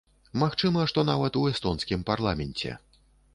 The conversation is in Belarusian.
Магчыма, што нават у эстонскім парламенце.